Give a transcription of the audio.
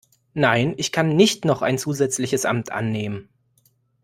Nein, ich kann nicht noch ein zusätzliches Amt annehmen.